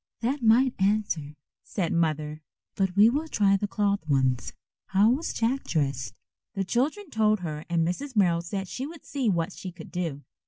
"That might answer," said Mother, "but we will try the cloth ones. How was Jack dressed?" The children told her and Mrs. Merrill said she would see what she could do.